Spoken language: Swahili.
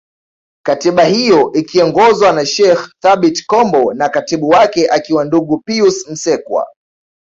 Katiba hiyo ikiongozwa na Sheikh Thabit Kombo na Katibu wake akiwa Ndugu Pius Msekwa